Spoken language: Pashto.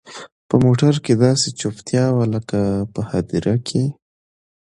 په موټر کښې داسې چوپتيا وه لكه په هديره کښې.